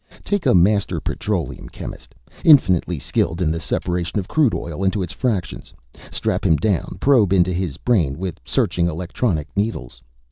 Take a master petroleum chemist, infinitely skilled in the separation of crude oil into its fractions. Strap him down, probe into his brain with searching electronic needles.